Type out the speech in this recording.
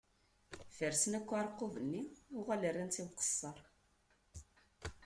Fersen akk aɛerqub-nni, uɣalen rran-tt i uqeṣṣer.